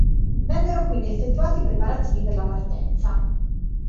Vennero quindi effettuati i preparativi per la partenza.